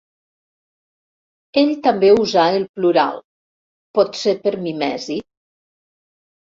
Ell també usà el plural, potser per mimesi.